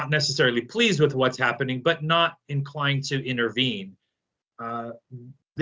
tidak terlalu puas dengan apa yang terjadi tapi tidak terlalu berani untuk menyerah